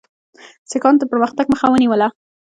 سیکهانو د پرمختګ مخه ونیوله.